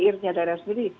ir nya daerah sendiri